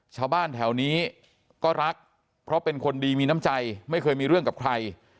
ชาวบ้านแถวนี้ก็รักเพราะเป็นคนดีมีน้ำใจไม่เคยมีเรื่องกับใคร